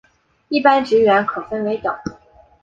一般职员可分为等。